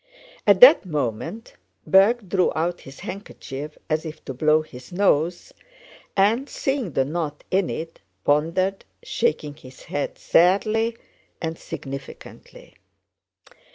At that moment Berg drew out his handkerchief as if to blow his nose and, seeing the knot in it, pondered, shaking his head sadly and significantly.